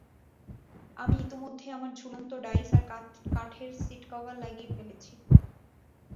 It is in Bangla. আমি ইতিমধ্যেই আমার ঝুলন্ত ডাইস আর কাঠের সিট কভার লাগিয়ে ফেলেছি।